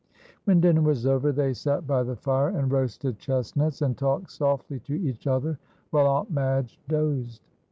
When dinner was over they sat by the fire and roasted chestnuts, and talked softly to each other, while Aunt Madge dozed.